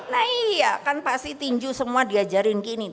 nah iya kan pasti tinju semua diajarin gini